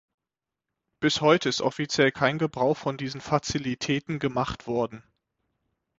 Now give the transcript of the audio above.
Bis heute ist offiziell kein Gebrauch von diesen Fazilitäten gemacht worden.